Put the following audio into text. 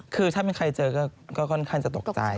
คือถ้าเป็นใครเจอก็ค่อนข้างจะตกใจ